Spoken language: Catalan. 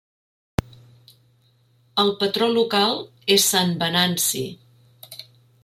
El patró local és Sant Venanci.